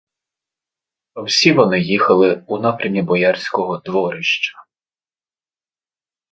Всі вони їхали у напрямі боярського дворища.